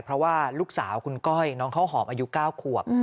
เพราะว่าลูกสาวคุณก้อยน้องข้าวหอมอายุ๙ขวบ